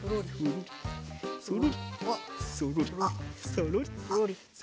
そろりそろり。